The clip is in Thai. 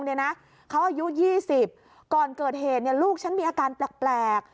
เขาอายุ๒๐ก่อนเกิดเหตุลูกฉันมีอาการแปลก